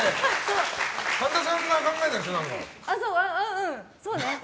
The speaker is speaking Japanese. うん、そうね。